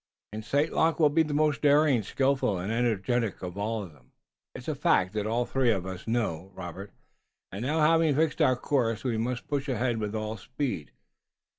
"And St. Luc will be the most daring, skillful and energetic of them all." "It's a fact that all three of us know, Robert, and now, having fixed our course, we must push ahead with all speed.